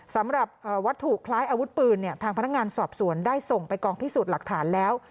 สำหรับวัตถุคล้ายอาวุธปืนทางพนักงานสอบสวนได้ส่งไปกองพิสูจน์หลักฐานแล้ว